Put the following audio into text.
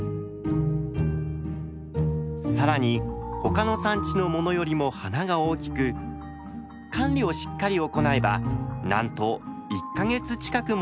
更に他の産地のものよりも花が大きく管理をしっかり行えばなんと１か月近くもつそうです。